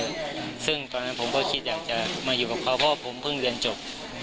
ซึ่งตอนนั้นผมก็คิดอยากจะมาอยู่กับเขาเพราะว่าผมเพิ่งเรียนจบ